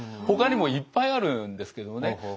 ほかにもいっぱいあるんですけどもね。